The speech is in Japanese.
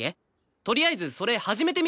とりあえずそれ始めてみるよ！